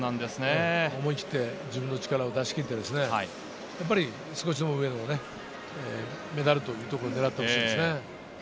思い切って自分の力を出し切って、少しでも上をメダルというところを狙ってほしいですね。